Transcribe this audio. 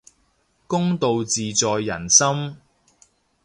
公道自在人心